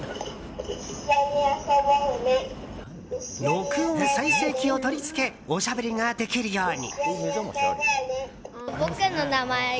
録音再生機を取り付けおしゃべりができるように。